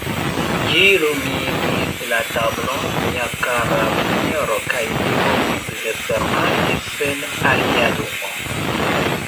Ĝi lumigis la tablon, mia kara sinjoro, kaj ni povis vespermanĝi sen alia lumo.